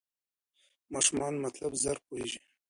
ماشومان مطلب ژر پوهېږي.